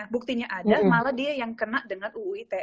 buktinya ada malah dia yang kena dengan uu ite